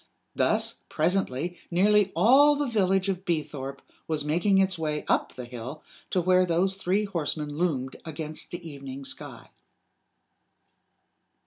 Thus, presently, nearly all the village of Beethorpe was making its way up the hill to where those three horsemen loomed against the evening sky.